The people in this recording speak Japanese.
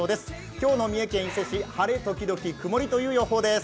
今日の三重県伊勢市、晴れ時々曇りという予報です。